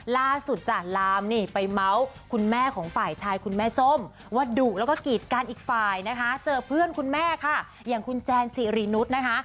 ล่าสุดจ้ะลามนี่ไปเมาส์คุณแม่ของฝ่ายชายคุณแม่ส้มว่าดุแล้วก็กีดกันอีกฝ่ายนะคะเจอเพื่อนคุณแม่ค่ะอย่างคุณแจนสิรินุษย์นะคะ